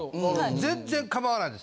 全然かまわないです。